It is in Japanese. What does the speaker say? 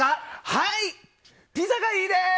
はい、ピザがいいです！